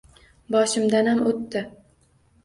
Boshimdanam o‘tdi